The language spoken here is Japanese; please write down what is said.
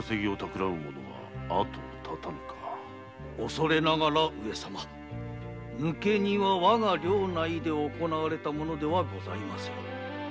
恐れながら抜け荷はわが領内で行われたものではございませぬ。